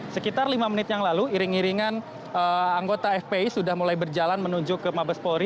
sekitar lima menit yang lalu iring iringan anggota fpi sudah mulai berjalan menuju ke mabes polri